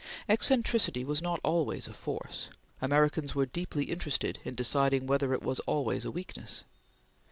Eccentricity was not always a force; Americans were deeply interested in deciding whether it was always a weakness.